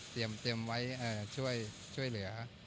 เตรียมไว้ช่วยเหลือ